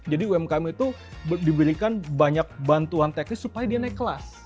jadi umkm itu diberikan banyak bantuan teknis supaya dia naik kelas